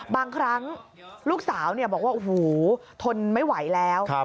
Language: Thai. บางครั้งลูกสาวบอกว่าโอ้โหทนไม่ไหวแล้ว